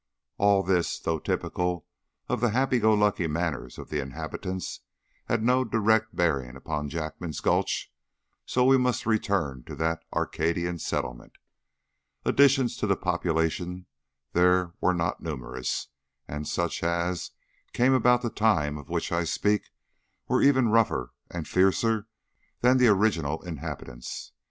All this, though typical of the happy go lucky manners of the inhabitants, has no direct bearing upon Jackman's Gulch, so we must return to that Arcadian settlement. Additions to the population there were not numerous, and such as came about the time of which I speak were even rougher and fiercer than the original inhabitants.